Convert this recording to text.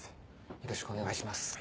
よろしくお願いします。